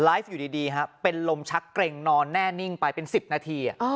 ไลฟ์อยู่ดีครับเป็นลมชักเกร็งนอนแน่นิ่งไปเป็นสิบนาที